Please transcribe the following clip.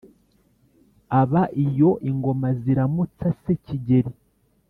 aba iyo ingoma ziramutsa se kigeli